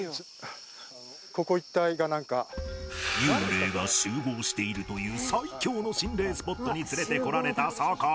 幽霊が集合しているという最恐の心霊スポットに連れてこられた酒井